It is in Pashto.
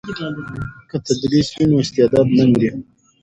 که تدریس وي نو استعداد نه مري.